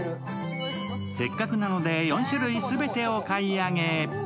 せっかくなので４種類全てお買い上げ。